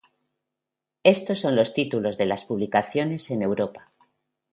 Estos son los títulos de las publicaciones en Europa.